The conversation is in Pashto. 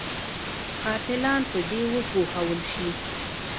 قاتلان په دې وپوهول شي.